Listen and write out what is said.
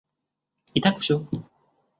И так всё.